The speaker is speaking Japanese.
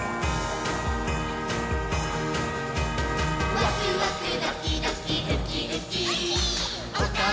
「ワクワクドキドキウキウキ」ウッキー！